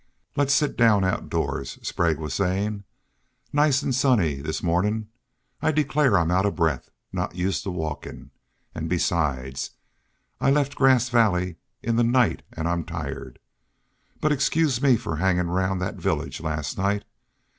"Let's sit down outdoors," Sprague was saying. "Nice an' sunny this mornin'. I declare I'm out of breath. Not used to walkin'. An' besides, I left Grass Valley, in the night an' I'm tired. But excoose me from hangin' round thet village last night!